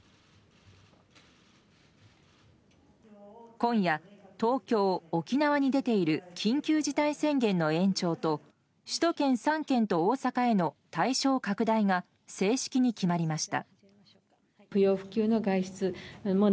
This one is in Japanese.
今夜、東京、沖縄に出ている緊急事態宣言の延長と首都圏３県と大阪への対象拡大が正式に決まりました。